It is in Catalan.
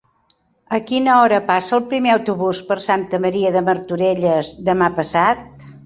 A quina hora passa el primer autobús per Santa Maria de Martorelles demà passat?